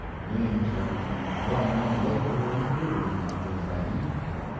Names that would be well known later were included in that little band.